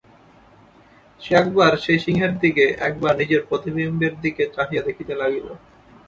সে একবার সেই সিংহের দিকে, একবার নিজের প্রতিবিম্বের দিকে চাহিয়া দেখিতে লাগিল।